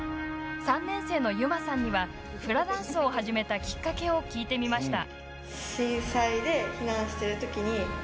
３年生の夢麻さんにはフラダンスを始めたきっかけを聞いてみました。